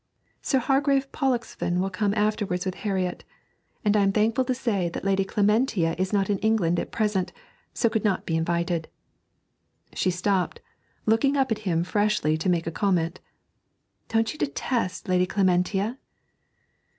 Sir Hargrave Pollexfen will come afterwards with Harriet, and I am thankful to say that Lady Clementina is not in England at present, so could not be invited.' She stopped, looking up at him freshly to make a comment. 'Don't you detest Lady Clementina?'